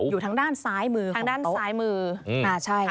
อยู่ทางด้านซ้ายมือของโต๊ะ